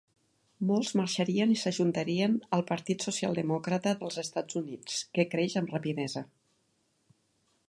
Molts marxarien i s'ajuntarien al Partit Socialdemòcrata dels Estats Units, que creix amb rapidesa.